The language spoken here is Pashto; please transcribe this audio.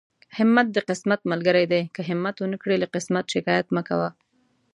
همت د قسمت ملګری دی، که همت ونکړې له قسمت شکايت مکوه.